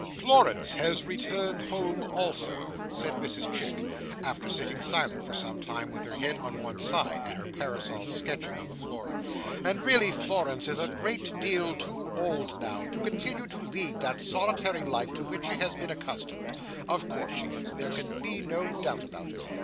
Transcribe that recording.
"Florence has returned home also," said Mrs Chick, after sitting silent for some time, with her head on one side, and her parasol sketching on the floor; "and really Florence is a great deal too old now, to continue to lead that solitary life to which she has been accustomed. Of course she is. There can be no doubt about it.